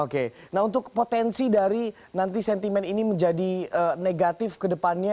oke nah untuk potensi dari nanti sentimen ini menjadi negatif ke depannya